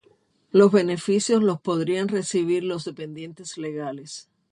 los beneficios los podrían recibir los dependientes legales